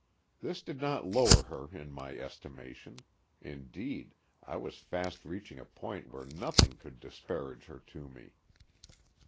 This did not lower her in my estimation; indeed, I was fast reaching a point where nothing could disparage her to me.